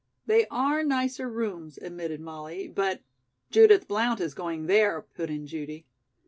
"They are nicer rooms," admitted Molly, "but " "Judith Blount is going there," put in Judy.